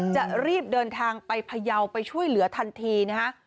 จะรีบเดินทางไปพยาวไปช่วยเหลือทันทีนะฮะ